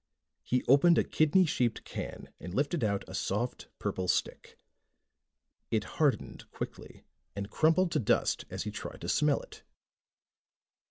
He opened a kidney shaped can and lifted out a soft purple stick. It hardened quickly and crumpled to dust as he tried to smell it.